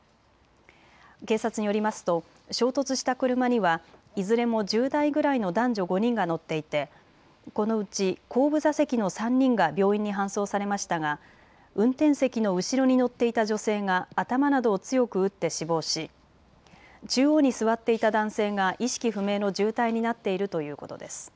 警察によりますと衝突した車にはいずれも１０代ぐらいの男女５人が乗っていてこのうち後部座席の３人が病院に搬送されましたが運転席の後ろに乗っていた女性が頭などを強く打って死亡し中央に座っていた男性が意識不明の重体になっているということです。